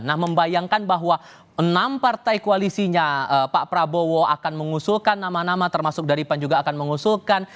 nah membayangkan bahwa enam partai koalisinya pak prabowo akan mengusulkan nama nama termasuk dari pan juga akan mengusulkan